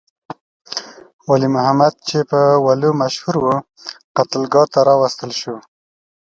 ولی محمد چې په ولو مشهور وو، قتلګاه ته راوستل شو.